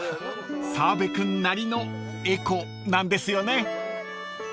［澤部君なりのエコなんですよね］